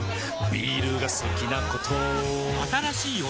ビールが好きなことあぁーっ！